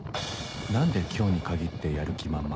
何で今日に限ってやる気満々？